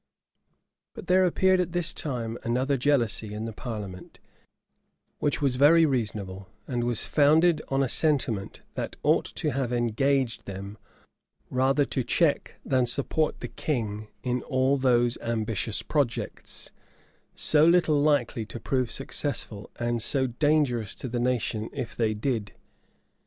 But there appeared at this time another jealousy in the parliament, which was very reasonable, and was founded on a sentiment that ought to have engaged them rather to check than support the king in all those ambitious projects, so little likely to prove successful, and so dangerous to the nation if they did.